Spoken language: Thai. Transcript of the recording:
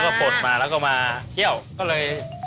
ก็ปลดมาแล้วก็มาเที่ยวก็เลย